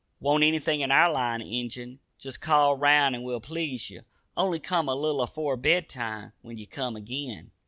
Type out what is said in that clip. "Want anything in our line, Injun, jest call round an' we'll please ye. Only come a little afore bed time when ye come again."